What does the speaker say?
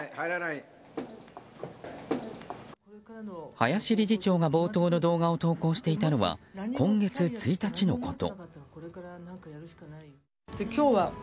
林理事長が冒頭の動画を投稿していたのは今月１日のこと。